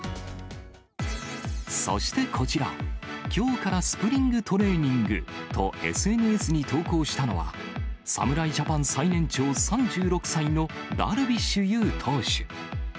そしてこちら、きょうからスプリングトレーニングと、ＳＮＳに投稿したのは、侍ジャパン最年長、３６歳のダルビッシュ有投手。